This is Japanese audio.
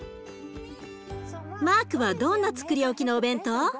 マークはどんなつくり置きのお弁当？